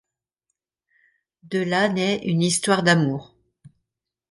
De là naît une histoire d'amour.